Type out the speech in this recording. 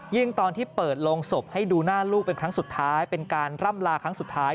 ตอนที่เปิดโรงศพให้ดูหน้าลูกเป็นครั้งสุดท้ายเป็นการร่ำลาครั้งสุดท้าย